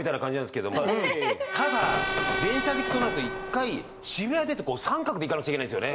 ただ電車で行くとなると１回渋谷出てこう三角で行かなくちゃいけないんですよね。